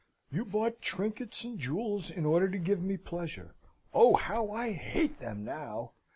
"You bought trinkets and jewels in order to give me pleasure. Oh, how I hate them now!